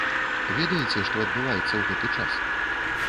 Ведаеце, што адбываецца ў гэты час?